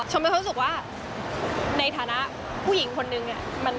ชมกันเข้าสู้ว่าในฐานะผู้หญิงคนนึงน่ะ